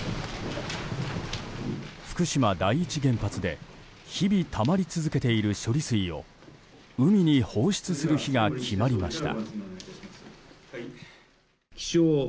福島第一原発で日々、たまり続けている処理水を海に放出する日が決まりました。